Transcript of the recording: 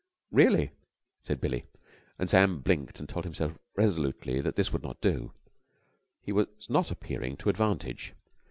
"Really?" said Billie, and Sam blinked and told himself resolutely that this would not do. He was not appearing to advantage.